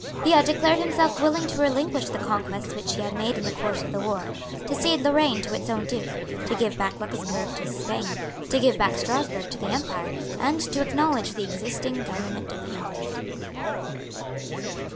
He had declared himself willing to relinquish the conquests which he had made in the course of the war, to cede Lorraine to its own Duke, to give back Luxemburg to Spain, to give back Strasburg to the Empire and to acknowledge the existing government of England.